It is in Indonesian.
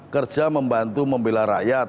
kerja membantu membela rakyat